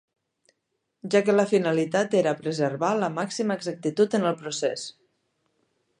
Ja que la finalitat era preservar la màxima exactitud en el procés.